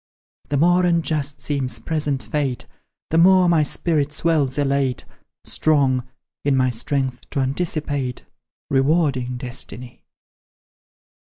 The more unjust seems present fate, The more my spirit swells elate, Strong, in thy strength, to anticipate Rewarding destiny!